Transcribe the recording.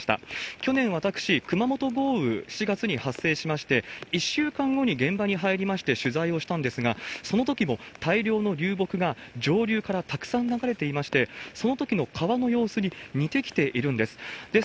去年、私、熊本豪雨、７月に発生しまして、１週間後に現場に入りまして取材をしたんですが、そのときも大量の流木が上流からたくさん流れていまして、そのときの川の様子に似てきているんです。